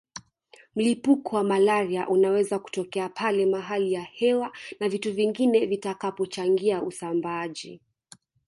Mlipuko wa malaria unaweza kutokea pale hali ya hewa na vitu vingine vitakapochangia usambaaji